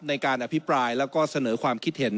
ในการอภิปรายแล้วก็เสนอความคิดเห็น